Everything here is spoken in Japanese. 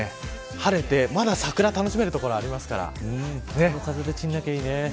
晴れてまだ桜が楽しめる所がありますから夜風で散らなきゃいいね。